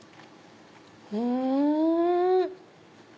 うん！